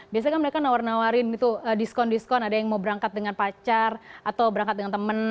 biasanya kan mereka nawar nawarin itu diskon diskon ada yang mau berangkat dengan pacar atau berangkat dengan temen